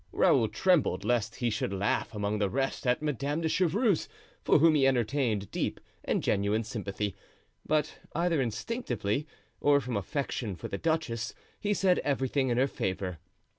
Raoul trembled, lest he should laugh among the rest at Madame de Chevreuse, for whom he entertained deep and genuine sympathy, but either instinctively, or from affection for the duchess, he said everything in her favor.